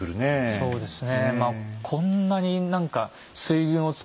そうですよね。